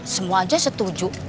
semua aja setuju